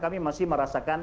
kami masih merasakan